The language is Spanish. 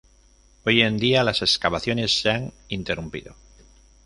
Hoy en día, las excavaciones se han interrumpido.